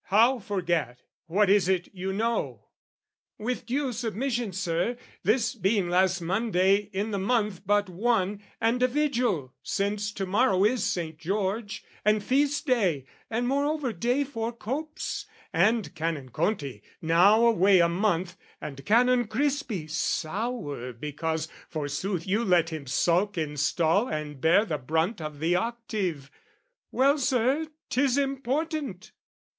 "How forget? "What is it you know?" "With due submission, Sir, "This being last Monday in the month but one "And a vigil, since to morrow is Saint George, "And feast day, and moreover day for copes, "And Canon Conti now away a month, "And Canon Crispi sour because, forsooth, "You let him sulk in stall and bear the brunt "Of the octave....Well, Sir, 'tis important!"